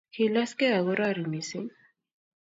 kilaskei akorari missing